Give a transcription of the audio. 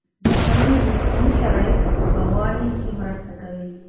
ځنګلونه د اقلیمي شرایطو په ښه والي کې مرسته کوي.